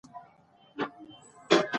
خسر دمېړه پلار